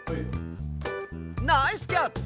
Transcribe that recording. ナイスキャッチ！